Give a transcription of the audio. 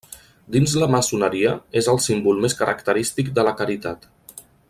Dins la maçoneria, és el símbol més característic de la caritat.